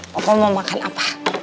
paku mau makan apa